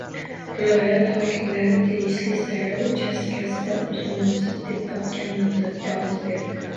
Viloyat hokimlari tegishli saylov uchastkasida o‘zi munosib deb topgan nomzodga ovoz berdi